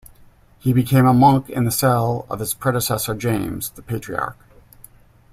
He became a monk in the cell of his predecessor James, the Patriarch.